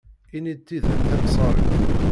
Ini-d tidet tamsarit.